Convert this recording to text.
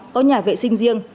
có nhà vệ sinh riêng